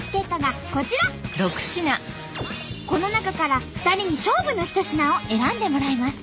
この中から２人に勝負の一品を選んでもらいます。